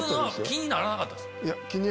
気にならなかったですか？